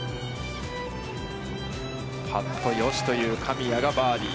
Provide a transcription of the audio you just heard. パットよしという神谷がバーディー。